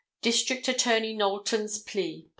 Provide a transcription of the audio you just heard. District Attorney Knowlton's Plea.